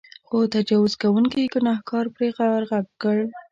خو تجاوز کوونکي ګنهکار پرې ورغږ کړ.